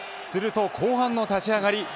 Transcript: すると後半の立ち上がり